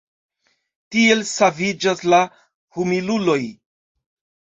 Tiel saviĝas la humiluloj.